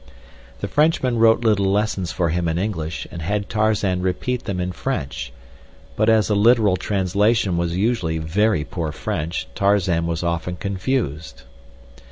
The Frenchman wrote little lessons for him in English and had Tarzan repeat them in French, but as a literal translation was usually very poor French Tarzan was often confused.